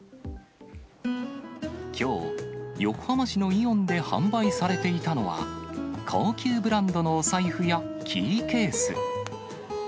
きょう、横浜市のイオンで販売されていたのは、高級ブランドのお財布やキーケース。